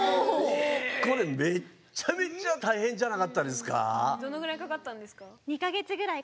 これめっちゃめちゃたいへんじゃなかったですか？